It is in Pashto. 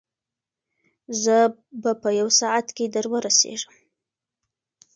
زه به په یو ساعت کې در ورسېږم.